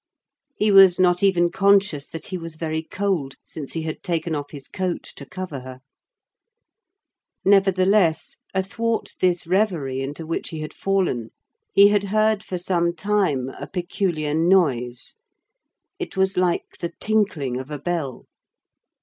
He was not even conscious that he was very cold, since he had taken off his coat to cover her. Nevertheless, athwart this reverie into which he had fallen he had heard for some time a peculiar noise. It was like the tinkling of a bell.